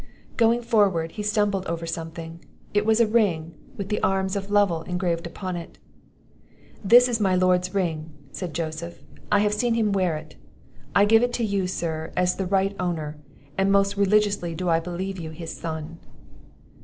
Going forward, he stumbled over something; it was a ring with the arms of Lovel engraved upon it. "This is my Lord's ring," said Joseph; "I have seen him wear it; I give it to you, sir, as the right owner; and most religiously do I believe you his son."